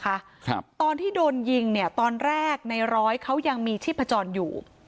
ครับตอนที่โดนยิงเนี่ยตอนแรกในร้อยเขายังมีชีพจรอยู่